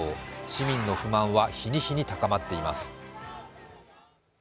市民の不満は日に日に高まっています。